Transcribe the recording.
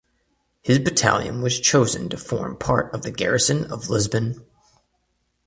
His battalion was chosen to form part of the garrison of Lisbon.